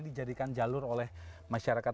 dijadikan jalur oleh masyarakat